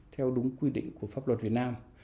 theo đúng quy định của pháp luật việt nam